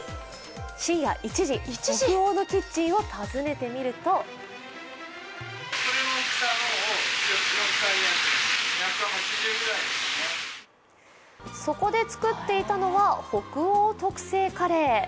深夜１時、北欧のキッチンを訪ねてみるとそこで作っていたのは北欧特製カレー。